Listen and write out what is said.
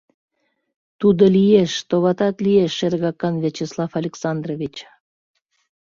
— Тудо лиеш, товатат лиеш, шергакан Вячеслав Александрович.